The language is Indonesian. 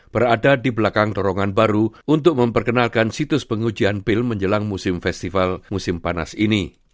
berada di belakang dorongan baru untuk memperkenalkan situs pengujian pil menjelang musim festival musim panas ini